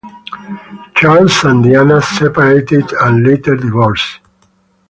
Charles and Diana separated and later divorced.